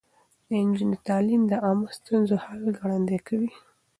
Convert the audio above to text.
د نجونو تعليم د عامه ستونزو حل ګړندی کوي.